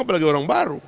apalagi orang baru